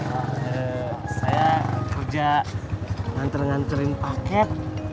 eee saya kerja ngantre ngantrin paket